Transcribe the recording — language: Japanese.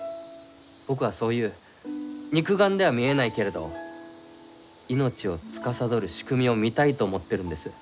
僕はそういう肉眼では見えないけれど命をつかさどる仕組みを見たいと思ってるんです。